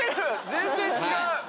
全然違う！